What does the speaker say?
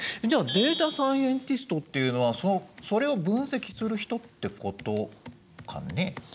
じゃあデータサイエンティストっていうのはそれを分析する人ってことかね？